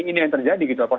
ini yang terjadi gitu